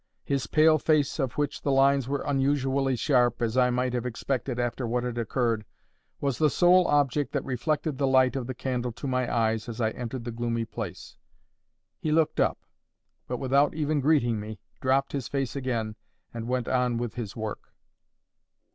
His pale face, of which the lines were unusually sharp, as I might have expected after what had occurred, was the sole object that reflected the light of the candle to my eyes as I entered the gloomy place. He looked up, but without even greeting me, dropped his face again and went on with his work.